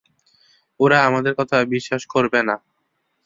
ওরা আমাদের কথা বিশ্বাস করবে না।